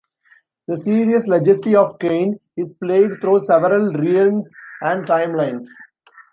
The series "Legacy of Kain" is played through several realms and timelines.